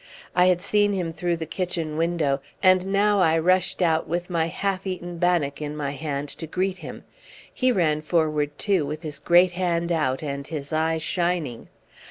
I had seen him through the kitchen window, and now I rushed out with my half eaten bannock in my hand to greet him. He ran forward too, with his great hand out and his eyes shining.